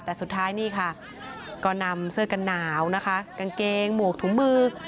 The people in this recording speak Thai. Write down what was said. แต่สุดท้ายนี่ค่ะก็นำเสื้อกันหนาวนะคะกางเกงหมวกถุงมือ